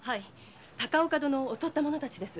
高岡殿を襲った者たちです。